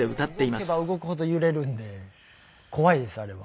動けば動くほど揺れるんで怖いですあれは。